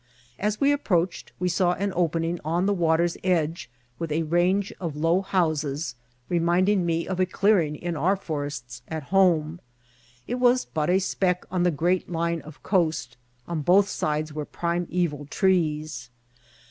As we approached we saw an opening on the water's edge, with a range of low houses, reminding me of a clearing in our for# ests at home. It was but a speck on the great line of coast; on both sides were primeval trees.